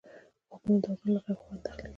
غوږونه د اذان له غږه خوند اخلي